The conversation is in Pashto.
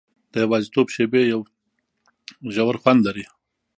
د یوازیتوب شېبې یو ژور خوند لري.